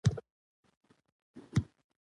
د اوبو ککړول د ناروغیو د خپرېدو ستر لامل ګرځي.